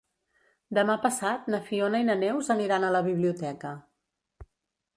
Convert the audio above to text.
Demà passat na Fiona i na Neus aniran a la biblioteca.